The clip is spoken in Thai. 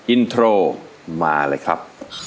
อินโทรมาเลยครับ